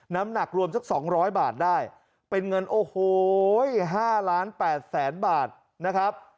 น้ำหนักรวมจากสองร้อยบาทได้เป็นเงินโอ้โหห้าล้านแปดแสนบาทนะครับ